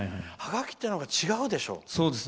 ハガキって、違うでしょ？